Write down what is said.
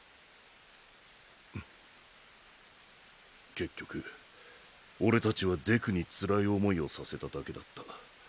結局俺達はデクにつらい想いをさせただけだった。